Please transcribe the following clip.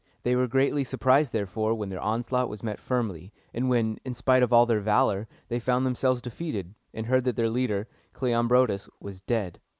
They were greatly surprised, therefore, when their onslaught was met firmly, and when, in spite of all their valor, they found themselves defeated, and heard that their leader, Cleombrotus, was dead.